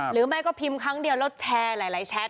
แม่ก็พิมพ์ครั้งเดียวแล้วแชร์หลายแชท